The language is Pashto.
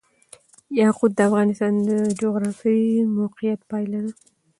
یاقوت د افغانستان د جغرافیایي موقیعت پایله ده.